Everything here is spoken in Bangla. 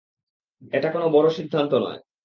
এটা কোনো বড়ো সিদ্ধান্ত নয়।